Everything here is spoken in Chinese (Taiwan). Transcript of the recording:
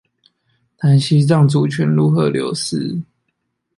談西藏主權如何流失